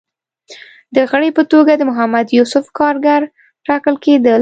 د غړي په توګه د محمد یوسف کارګر ټاکل کېدل